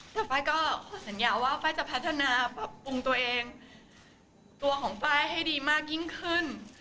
แต่ไฟล์ก็สัญญาว่าไฟล์จะพัฒนาปรับปรุงตัวเองตัวของไฟล์ให้ดีมากยิ่งขึ้น